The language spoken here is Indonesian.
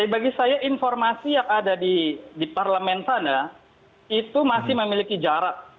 bagi saya informasi yang ada di parlemen sana itu masih memiliki jarak